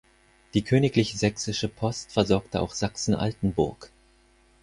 Die königlich-sächsische Post versorgte auch Sachsen-Altenburg.